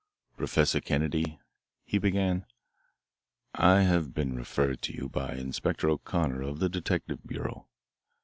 "Professor Kennedy," he began, "I have been referred to you by Inspector O'Connor of the Detective Bureau.